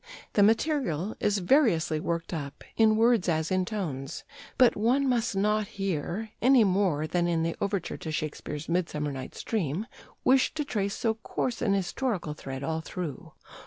The material is variously worked up, in words as in tones. But one must not here, any more than in the overture to Shakespeare's 'Midsummer Night's Dream,' wish to trace so coarse an historical thread all through....